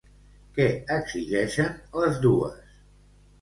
Què exigeixen les dues?